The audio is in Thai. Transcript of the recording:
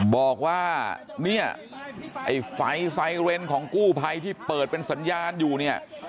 บอกว่าไฟไซเรนของกู้ไพที่เปิดเป็นสัญญาณอยู่เนี่ย